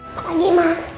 selamat pagi mbak